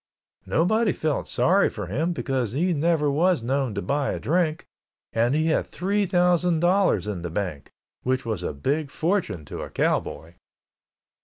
Nobody felt sorry for him because he never was known to buy a drink, and he had three thousand dollars in the bank, which was a big fortune to a cowboy.